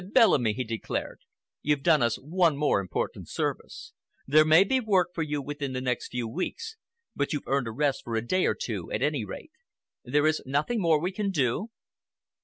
"Bellamy," he declared, "you've done us one more important service. There may be work for you within the next few weeks, but you've earned a rest for a day or two, at any rate. There is nothing more we can do?"